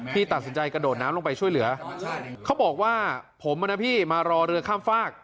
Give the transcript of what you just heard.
ที่ตัดสินใจกระโดดน้ำลงไปช่วยเหลือเขาบอกว่าผมนะพี่มารอเรือข้ามฟาก